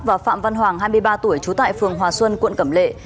và phạm văn hoàng hai mươi ba tuổi trú tại phường hòa xuân quận cẩm lệ